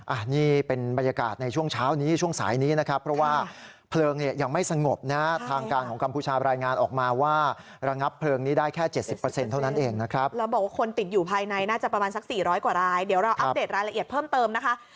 อันนี้เป็นบรรยากาศในช่วงเช้านี้